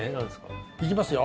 行きますよ。